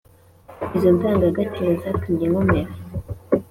izo ndangagaciro zatumye nkomera,